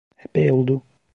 Epey oldu.